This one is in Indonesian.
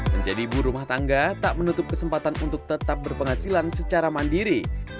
menjadi ibu rumah tangga tak menutup kesempatan untuk tetap berpenghasilan secara mandiri